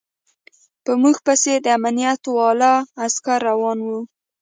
په موږ پسې د امنيت والاو عسکر روان و.